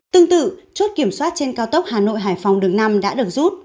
tương tự chốt kiểm soát trên cao tốc hà nội hải phòng đường năm đã được rút